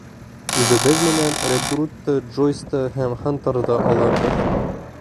Үҙебеҙ менән Редрутты, Джойсты һәм Хантерҙы алырбыҙ.